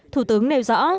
thủ tướng nêu rõ